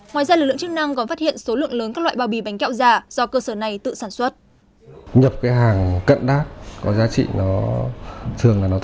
ngoài ra lực lượng chức năng còn phát hiện số lượng lớn các loại bao bì bánh kẹo giả do cơ sở này tự sản xuất